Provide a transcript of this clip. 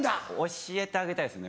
教えてあげたいですね